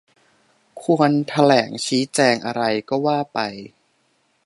ควรแถลงชี้แจงอะไรก็ว่าไป